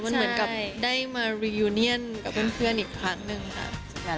มันเหมือนได้มารายงานกับเพื่อนอีกครั้งหนึ่งครับ